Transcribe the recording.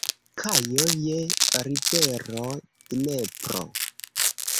Kajo je rivero Dnepro.